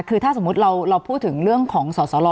คือถ้าสมมุติเราพูดถึงเรื่องของสอสร